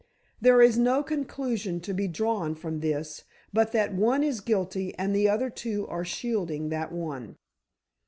There is no conclusion to be drawn from this but that one is guilty and the other two are shielding that one."